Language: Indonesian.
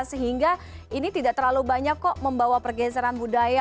sehingga ini tidak terlalu banyak kok membawa pergeseran budaya